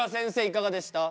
いかがでした？